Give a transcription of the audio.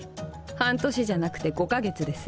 半年じゃなくて５か月です。